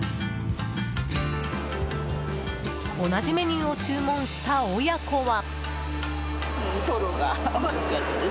同じメニューを注文した親子は。